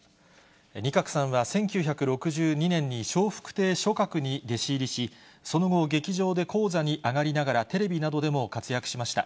仁鶴さんは１９６２年に笑福亭松鶴に弟子入りし、その後、劇場で高座に上がりながらテレビなどでも活躍しました。